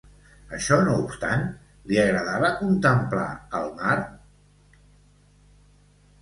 Això no obstant, li agradava contemplar el mar?